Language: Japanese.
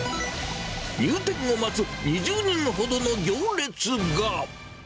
入店を待つ２０人ほどの行列が。